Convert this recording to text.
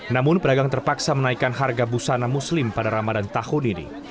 namun pedagang terpaksa menaikkan harga busana muslim pada ramadan tahun ini